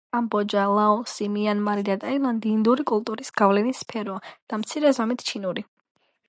მაგალითად, კამბოჯა, ლაოსი, მიანმარი და ტაილანდი ინდური კულტურის გავლენის სფეროა და მცირე ზომით ჩინური.